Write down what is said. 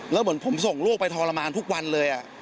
แล้วเหมือนผมส่งลูกไปทรมานทุกวันเลย